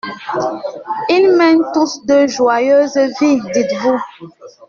Ils mènent tous deux joyeuse vie, dites-vous.